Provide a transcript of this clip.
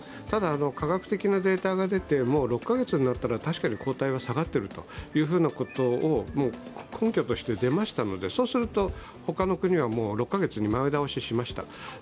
ただ、科学的なデータが出て、６カ月になったら確かに抗体は下がっているということが根拠として出ましたのでそうすると他の国は６カ月に前倒ししました。